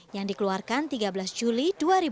yang dikeluarkan tiga belas juli dua ribu dua puluh